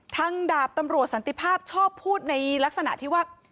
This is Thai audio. ดาบตำรวจสันติภาพชอบพูดในลักษณะที่ว่า